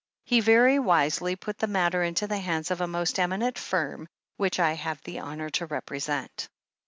He very wisely put the matter into the hands of a most eminent firm, which I have the honour to represent."